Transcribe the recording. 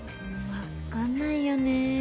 分かんないよね。